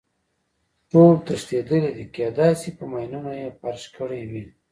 ټول تښتېدلي دي، کېدای شي په ماینونو یې فرش کړی وي.